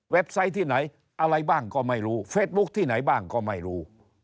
ไซต์ที่ไหนอะไรบ้างก็ไม่รู้เฟสบุ๊คที่ไหนบ้างก็ไม่รู้